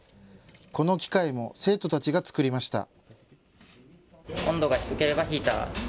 この機械も生徒たちが作りました。